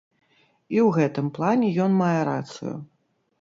І ў гэтым плане ён мае рацыю.